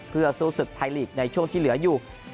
เพื่อสู้ศึกไทยลีกในช่วงที่เหลืออยู่